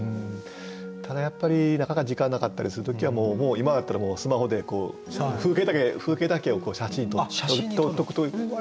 ただやっぱりなかなか時間なかったりする時はもう今だったらスマホで風景だけを写真撮っとくと割とやりますね。